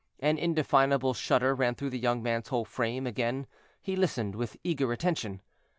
An indefinable shudder ran through the young man's whole frame; again he listened with eager attention.